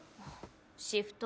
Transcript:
シフト